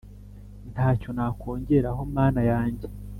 ntacyo nakongeraho mana yanjye.